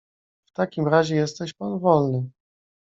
"W takim razie jesteś pan wolny."